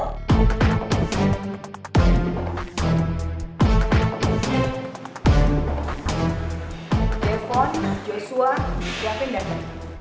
devon joshua siapin data